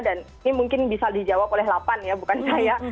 dan ini mungkin bisa dijawab oleh lapan ya bukan saya